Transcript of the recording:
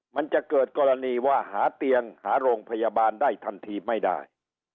มันจะเกิดกรณีว่าหาเตียงหาโรงพยาบาลได้ทันทีไม่ได้